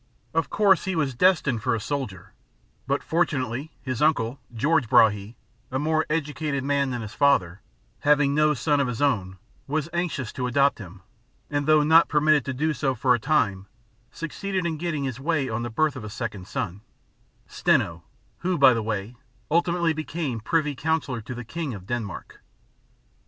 Of course he was destined for a soldier; but fortunately his uncle, George Brahé, a more educated man than his father, having no son of his own, was anxious to adopt him, and though not permitted to do so for a time, succeeded in getting his way on the birth of a second son, Steno who, by the way, ultimately became Privy Councillor to the King of Denmark.